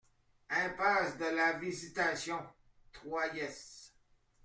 Impasse de la Visitation, Troyes